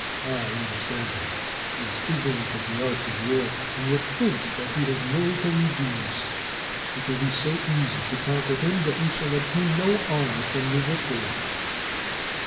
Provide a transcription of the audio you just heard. I understand him. He is ignorant of the arts of war, and yet thinks that he has military genius. It will be so easy to conquer him that we shall obtain no honor from the victory."